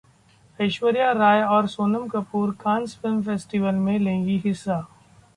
ऐश्वर्या राय और Sonam Kapoor Cannes film festival में लेंगी हिस्सा